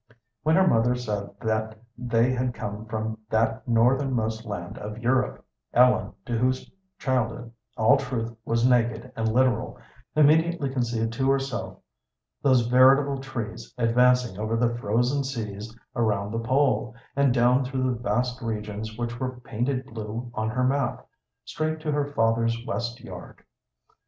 When her mother said that they had come from that northernmost land of Europe, Ellen, to whose childhood all truth was naked and literal, immediately conceived to herself those veritable trees advancing over the frozen seas around the pole, and down through the vast regions which were painted blue on her map, straight to her father's west yard.